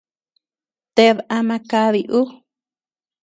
Ted ama kadi uu.